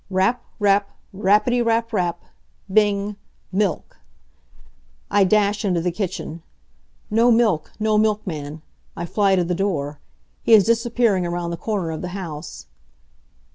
Rap! Rap! Rappity rap rap! Bing! Milk! I dash into the kitchen. No milk! No milkman! I fly to the door. He is disappearing around the corner of the house.